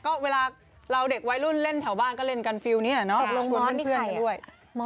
ก็เวลาเราเด็กวัยรุ่นเล่นแถวบ้านก็เล่นกันฟิลเนี่ยเนอะ